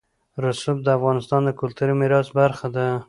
رسوب د افغانستان د کلتوري میراث برخه ده.